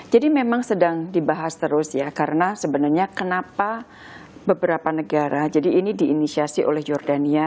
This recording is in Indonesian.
jadi memang sedang dibahas terus ya karena sebenarnya kenapa beberapa negara jadi ini diinisiasi oleh jordania